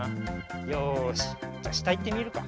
よしじゃしたいってみるか。